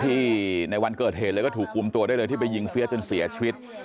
ในวันเกิดเหตุเลยก็ถูกคุมตัวได้เลยที่ไปยิงเฟียสจนเสียชีวิต